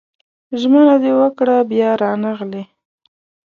ژمنه دې وکړه بيا رانغلې